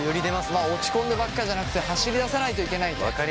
まあ落ち込んでばっかじゃなくて走りださないといけないと。